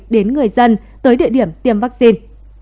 đến người dân tới địa điểm tiêm vaccine